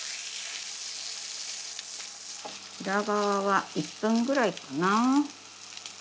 裏側は１分ぐらいかな。